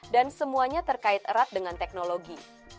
dan semuanya terkait erat dengan teknologi